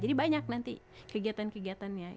jadi banyak nanti kegiatan kegiatannya